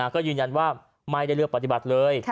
ก็ยืนยันว่าไม่ได้เลือกปฏิบัติเลย